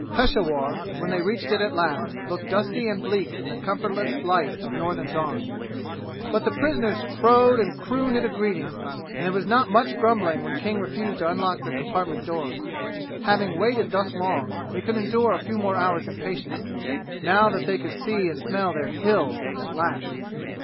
Peshawur, when they reached it at last, looked dusty and bleak in the comfortless light of Northern dawn. But the prisoners crowed and crooned it a greeting, and there was not much grumbling when King refused to unlock their compartment doors. Having waited thus long, they could endure a few more hours in patience, now that they could see and smell their "Hills" at last.